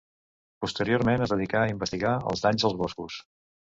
Posteriorment es dedicà a investigar els danys als boscos.